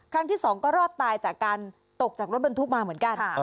ที่สองก็รอดตายจากการตกจากรถบรรทุกมาเหมือนกัน